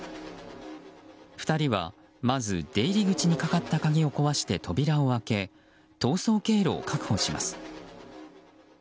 ２人はまず出入り口にかかった鍵を壊して扉を開け逃走経路を確保します。